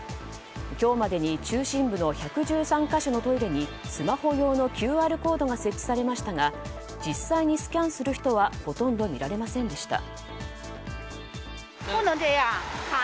今日までに中心部の１１３か所のトイレにスマホ用のＱＲコードが設置されましたが実際にスキャンする人はほとんど見られませんでした。